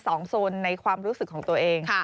โซนในความรู้สึกของตัวเอง